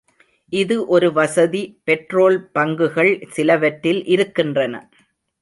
இது ஒரு வசதி பெட்ரோல் பங்குகள் சிலவற்றில் இருக்கின்றன.